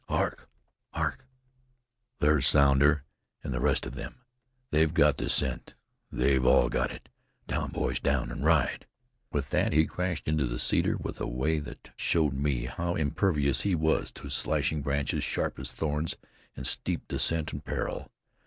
Hark! Hark! There's Sounder and the rest of them! They've got the scent; they've all got it! Down, boys, down, and ride!" With that he crashed into the cedar in a way that showed me how impervious he was to slashing branches, sharp as thorns, and steep descent and peril.